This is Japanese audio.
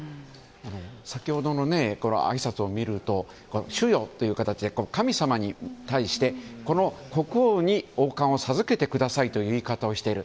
先ほどのあいさつを見ると「主よ」という形で神様に対して国王に王冠を授けてくださいという言い方をしている。